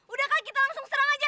udahkah kita langsung serang aja